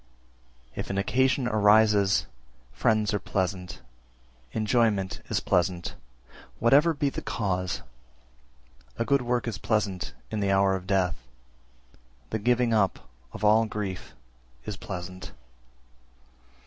331. If an occasion arises, friends are pleasant; enjoyment is pleasant, whatever be the cause; a good work is pleasant in the hour of death; the giving up of all grief is pleasant.